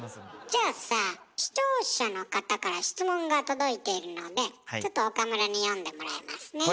じゃあさ視聴者の方から質問が届いているのでちょっと岡村に読んでもらいますね。